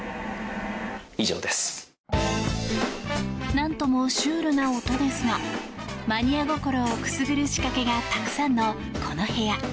何ともシュールな音ですがマニア心をくすぐる仕掛けがたくさんのこの部屋。